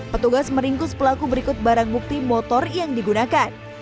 petugas meringkus pelaku berikut barang bukti motor yang digunakan